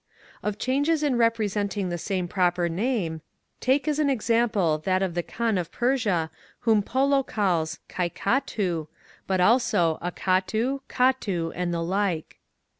Of changes in representing the same proper name, take as an example that of the Kaan of Persia whom Polo calls Quiacatu (Kaikhatu), but also Acatu, Catti, and the like.